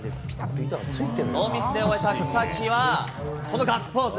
ノーミスで終えた草木は、このガッツポーズ。